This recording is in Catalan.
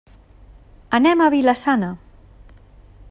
Anem a Vila-sana.